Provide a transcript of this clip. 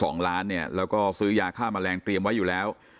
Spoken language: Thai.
สองล้านเนี่ยแล้วก็ซื้อยาฆ่าแมลงเตรียมไว้อยู่แล้ว